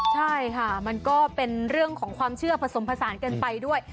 ใช่ค่ะมันก็เป็นเรื่องของความเชื่อผสมผสานกันไปด้วย